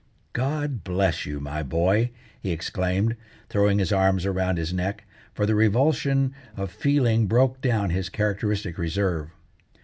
"God bless you, my boy!" he exclaimed, throwing his arms around his neck, for the revulsion of feeling broke down his characteristic reserve.